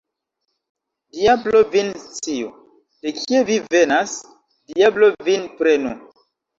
Diablo vin sciu, de kie vi venas, diablo vin prenu!